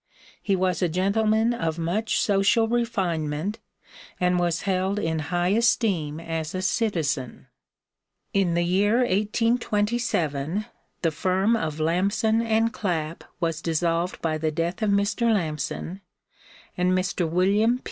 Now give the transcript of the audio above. He was a gentleman of much social refinement, and was held in high esteem as a citizen. In the year 1827 the firm of Lamson & Clap was dissolved by the death of Mr. Lamson, and Mr. Wm.